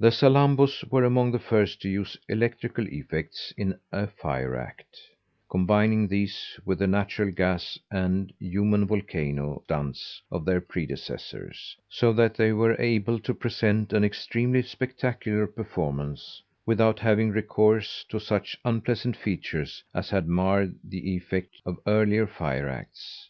The Salambos were among the first to use electrical effects in a fire act, combining these with the natural gas and "human volcano" stunts of their predecessors, so that they were able to present an extremely spectacular performance without having recourse to such unpleasant features as had marred the effect of earlier fire acts.